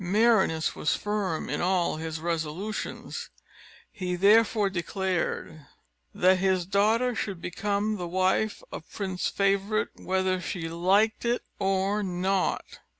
Merinous was firm in all his resolutions; he therefore declared, that his daughter should become the wife of Prince Favourite, whether she liked it or not.